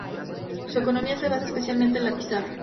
Su economía se basa especialmente en la pizarra.